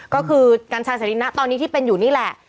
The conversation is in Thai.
ก็คือกัญชาเสรีนะตอนนี้ที่เป็นอยู่นี่แหละ